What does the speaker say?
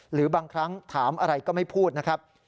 หรือบางครั้งถามอะไรก็ไม่พูดนะครับ